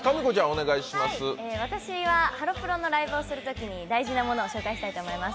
私はハロプロのライブをするときに大事なものを紹介したいと思います。